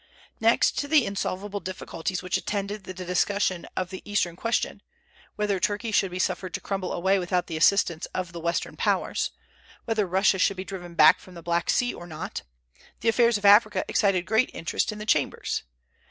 Next to the insolvable difficulties which attended the discussion of the Eastern question, whether Turkey should be suffered to crumble away without the assistance of the Western Powers; whether Russia should be driven back from the Black Sea or not, the affairs of Africa excited great interest in the Chambers.